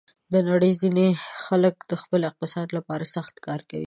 د نړۍ ځینې خلک د خپل اقتصاد لپاره سخت کار کوي.